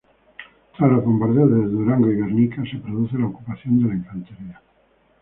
Tras los bombardeos de Durango y Guernica se produce la ocupación de la infantería.